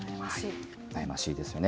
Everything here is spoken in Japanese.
悩ましいですよね。